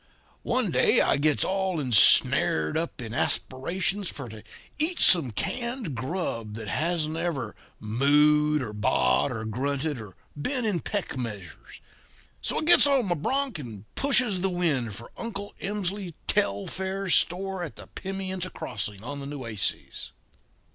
One day I gets all ensnared up in aspirations for to eat some canned grub that hasn't ever mooed or baaed or grunted or been in peck measures. So, I gets on my bronc and pushes the wind for Uncle Emsley Telfair's store at the Pimienta Crossing on the Nueces.